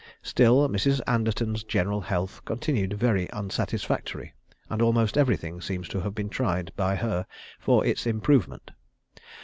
Still Mrs. Anderton's general health continued very unsatisfactory, and almost everything seems to have been tried by her for its improvement.